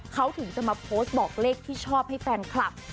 เขาถึงจะมาโพสต์บอกเลขที่ชอบให้แฟนคลับ